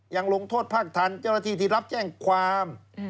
อย่างโรงโทษภาคธรรมเจ้าหน้าทีที่รับแจ้งความ